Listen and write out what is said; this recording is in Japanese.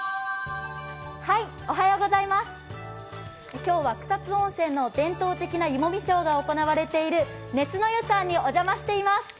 今日は草津温泉の伝統的な湯もみショーが行われている熱乃湯さんにお邪魔しています。